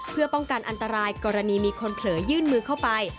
เพื่อป้องกันอันตรายกรณีมีคนเผลอยื่นมือเข้าไป